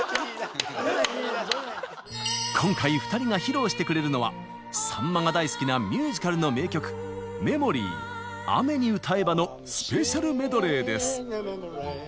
今回２人が披露してくれるのはさんまが大好きなミュージカルの名曲「メモリー」「雨に唄えば」のスペシャルメドレーです。